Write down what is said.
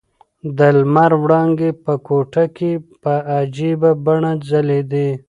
د لمر وړانګې په کوټه کې په عجیبه بڼه ځلېدې.